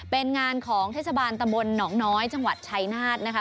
เป็นงานของเทศบาลตำบลหนองน้อยจังหวัดชัยนาธนะคะ